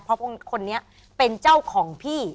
เพราะคนนี้เป็นเจ้าของพี่